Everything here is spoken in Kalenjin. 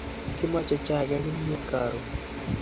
Kimache chaik ak kimyet karun